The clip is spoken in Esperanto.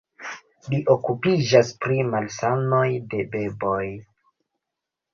Li okupiĝas pri malsanoj de beboj.